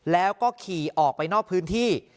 แล้วก็ขี่ออกไปนอกพื้นที่